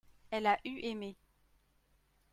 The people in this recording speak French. elle a eu aimé.